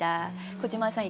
小島さん